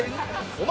お前。